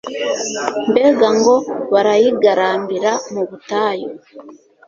Mbega ngo barayigarambira mu butayu